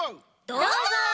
どうぞ！